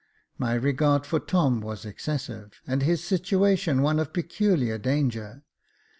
My regard for Tom was excessive, and his situation one of peculiar danger.